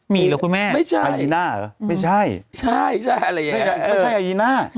มีหรอคุณแม่อายีน่าเหรอไม่ใช่ไม่ใช่อายีน่า